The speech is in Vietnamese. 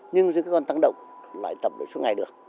nhưng giữa các con tăng động lại tập được suốt ngày được